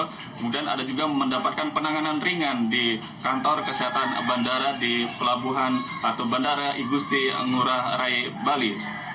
kemudian ada juga mendapatkan penanganan ringan di kantor kesehatan bandara di pelabuhan atau bandara igusti ngurah rai bali